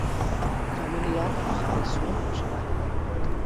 Familiak jarri zuen salaketa.